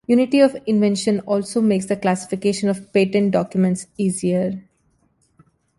Unity of invention also makes the classification of patent documents easier.